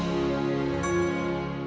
gak usah ngedong balik lagi